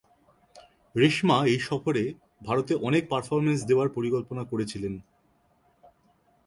রেশমা এই সফরে ভারতে অনেক পারফরম্যান্স দেওয়ার পরিকল্পনা করেছিলেন।